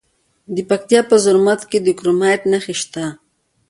د پکتیا په زرمت کې د کرومایټ نښې شته.